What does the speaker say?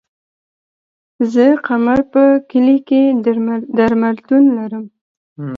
زه قمر په کلي کی درملتون لرم